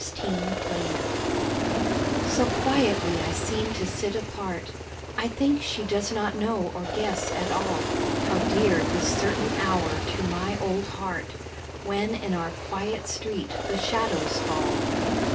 THE MOTHER So quietly I seem to sit apart; I think she does not know or guess at all, How dear this certain hour to my old heart, When in our quiet street the shadows fall.